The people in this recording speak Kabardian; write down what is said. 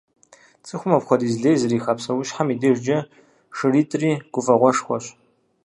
ЦӀыхум апхуэдиз лей зриха псэущхьэм и дежкӀэ шыритӏри гуфӏэгъуэшхуэщ.